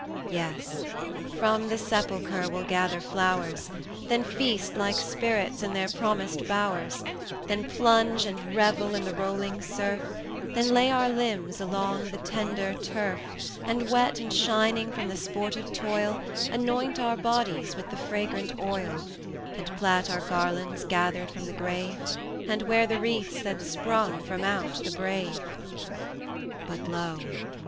20 II. Yes from the sepulchre we'll gather flowers, Then feast like spirits in their promised bowers, Then plunge and revel in the rolling surf, Then lay our limbs along the tender turf, And, wet and shining from the sportive toil, Anoint our bodies with the fragrant oil, And plait our garlands gathered from the grave, And wear the wreaths that sprung from out the brave. But lo!